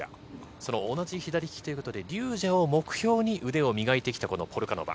その同じ左利きということでリュー・ジャを目標に腕を磨いてきたポルカノバ。